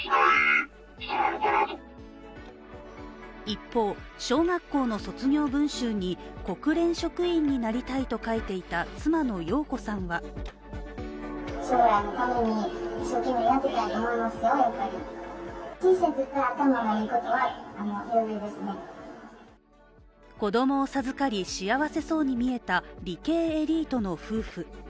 一方、小学校の卒業文集に、国連職員になりたいと書いていた妻の容子さんは子供を授かり、幸せそうに見えた理系エリートの夫婦。